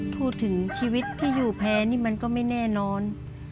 พูดถึงชีวิตที่อยู่แพ้นี่มันก็ไม่แน่นอน